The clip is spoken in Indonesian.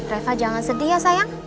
reva jangan sedih sayang